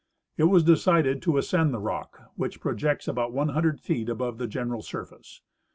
It was decided to ascend the rock, which projects about 100 feet above the general, surface.